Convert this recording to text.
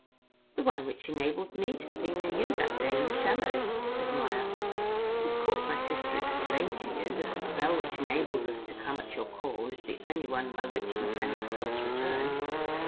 "The one which enabled me to speak to you that day in the shallows," said Maia. "Of course my sister explained to you that the spell which enables us to come at your call is the only one by which you can yourselves return."